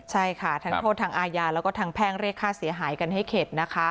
ใช่ค่ะทั้งโทษทางอาญาแล้วก็ทางแพ่งเรียกค่าเสียหายกันให้เข็ดนะคะ